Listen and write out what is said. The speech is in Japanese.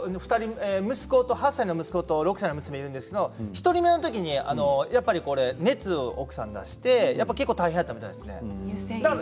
８歳の息子と６歳の娘がいるんですけれど１人目の時にやっぱり奥さんが熱を出して結構大変やったみたいですね。